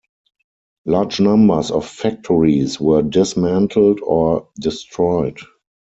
Large numbers of factories were dismantled or destroyed.